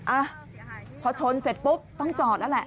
อ่ะพอชนเสร็จปุ๊บต้องจอดแล้วแหละ